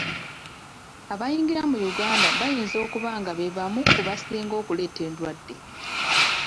Abayingira mu Uganda bayinza okuba nga be bamu ku basinga okuleeta endwadde.